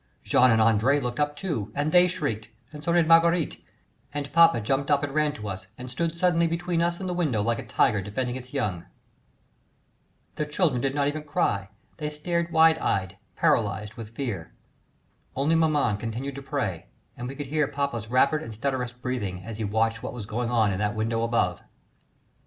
Jean and André looked up too, and they shrieked, and so did Marguerite, and papa jumped up and ran to us and stood suddenly between us and the window like a tiger defending its young. But we were all of us quite silent now. The children did not even cry, they stared wide eyed paralysed with fear. Only maman continued to pray, and we could hear papa's rapid and stertorous breathing as he watched what was going on in that window above.